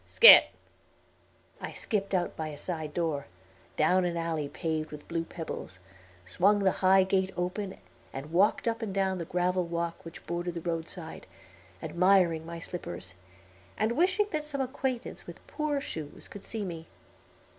Scat." I skipped out by a side door, down an alley paved with blue pebbles, swung the high gate open, and walked up and down the gravel walk which bordered the roadside, admiring my slippers, and wishing that some acquaintance with poor shoes could see me.